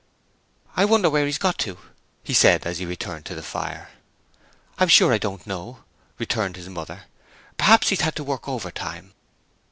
'I wonder wherever he's got to,' he said, as he returned to the fire. 'I'm sure I don't know,' returned his mother. 'Perhaps he's had to work overtime.'